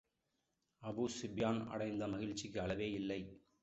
Abu Sufyan அடைந்த மகிழ்ச்சிக்கு அளவே இல்லை.